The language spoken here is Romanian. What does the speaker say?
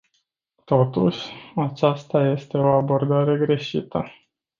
Totuși, aceasta este o abordare greșită.